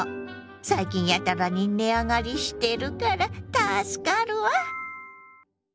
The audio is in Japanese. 最近やたらに値上がりしてるから助かるわ！